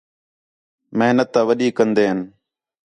محنت تا ودی کندے ہین